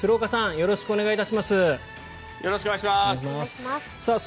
よろしくお願いします。